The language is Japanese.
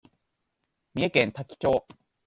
三重県多気町